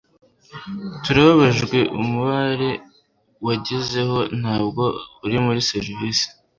turababajwe umubare wagezeho ntabwo uri muri serivisi